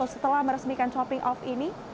setelah meresmikan shopping off ini